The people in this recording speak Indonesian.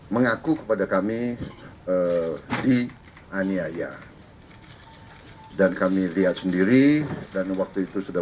mengaku kepada kami dianiaya dan kami lihat sendiri dan waktu itu sudah